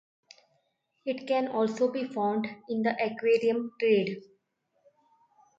It can also be found in the aquarium trade.